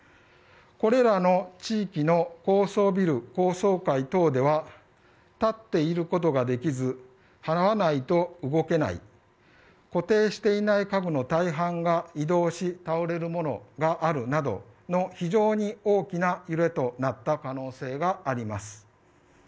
これらの地域の高層ビル高層階等では立っていることができず這わないと動けない固定してない家具の大半が移動し倒れるものがあるなど非常に大きな揺れとなった可能性があります。